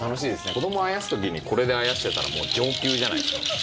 子供あやす時にこれであやしてたらもう上級じゃないですか。